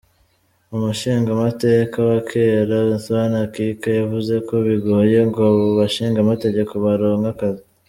Umushingamateka wa kera Othieno Akika, yavuze ko bigoye ngo abo bashingamateka baronke akazi.